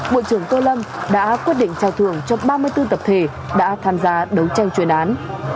bộ trưởng tô lâm đã quyết định trao thưởng cho ba mươi bốn tập thể đã tham gia đấu tranh chuyên án